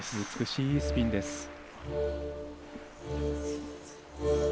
美しいスピンです。